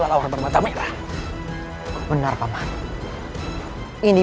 aku akan menjadikan diriku sebagai jaminan